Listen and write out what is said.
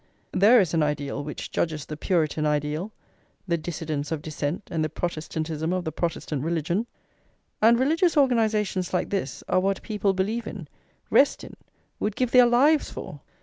There is an ideal which judges the Puritan ideal, "The Dissidence of Dissent and the Protestantism of the Protestant religion!" And religious organisations like this are what people believe in, rest in, would give their lives for!